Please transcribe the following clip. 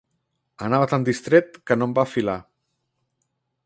Anava tan distret, que no em va filar.